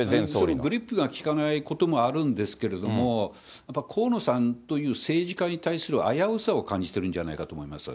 グリップが利かないこともあるんですけれども、河野さんという政治家に対する危うさを感じてるんじゃないかなと思います。